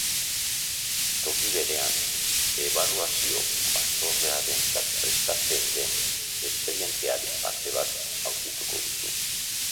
Toki berean, Ebaluazio Batzordearentzat prestatzen den espedientearen parte bat aurkituko duzu.